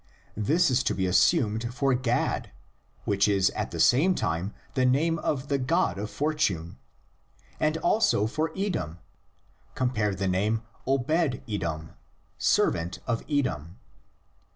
This is to be assumed for Gad, which is at the same time the name of the god of fortune, and also for Edom — cp. the name Obed edom, "servant of Edom."'